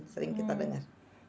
sering kita dengar